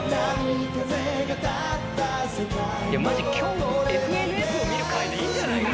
マジ今日『ＦＮＳ』を見る会でいいんじゃないかな。